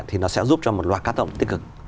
thì nó sẽ giúp cho một loạt cá tổng tích cực